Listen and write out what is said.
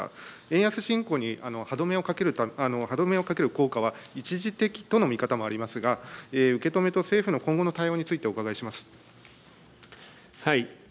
円安進行に歯止めをかける効果は一時的との見方もありますが受け止めと政府の今後の対応についてお伺いします。